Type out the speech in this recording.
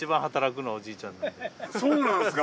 そうなんですか。